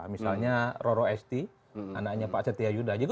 misalnya roro esti anaknya pak setia yuda